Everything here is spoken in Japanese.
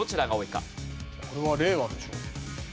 これは令和でしょ。